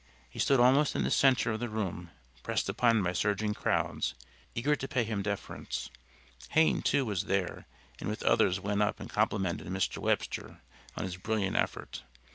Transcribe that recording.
He stood almost in the center of the room pressed upon by surging crowds eager to pay him deference. Hayne, too, was there, and with others went up and complimented Mr. Webster on his brilliant effort.